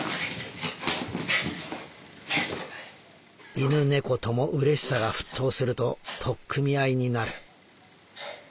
「犬猫とも嬉しさが沸騰すると取っ組み合いになる」。